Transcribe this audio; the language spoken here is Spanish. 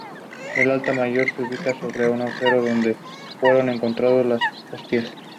En el manga, no suele vestir de azul.